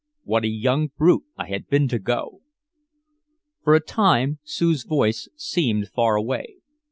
What a young brute I had been to go!... For a time Sue's voice seemed far away.